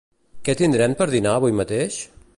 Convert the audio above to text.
Què tindrem per dinar avui mateix?